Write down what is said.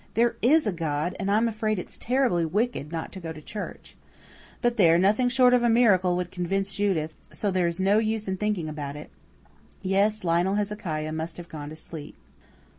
There is a God, and I'm afraid it's terribly wicked not to go to church. But there, nothing short of a miracle would convince Judith; so there is no use in thinking about it. Yes, Lionel Hezekiah must have gone to sleep."